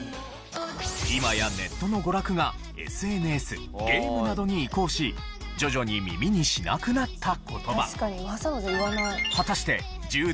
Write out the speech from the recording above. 今やネットの娯楽がＳＮＳゲームなどに移行し徐々に耳にしなくなった言葉。